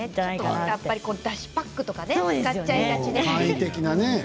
やっぱり、だしパックとか使いがちですよね。